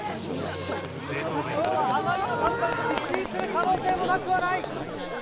冬の滝行はあまりの寒さに失神する可能性もなくはない。